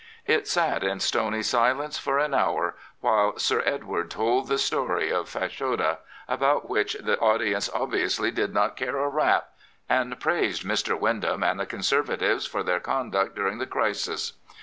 It sat in stony silence for an hour while Sir Edward told the story of Fashoda — about which the audience obviously did not care a rap — and praised Mr. Wyndham and the Conserva tives for their conduct during the crisis.